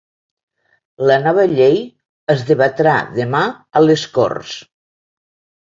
La nova llei es debatrà demà a les corts.